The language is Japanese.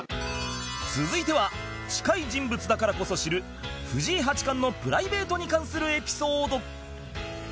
続いては近い人物だからこそ知る藤井八冠のプライベートに関するエピソード